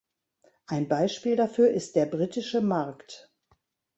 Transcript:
Ein Beispiel dafür ist der britische Markt.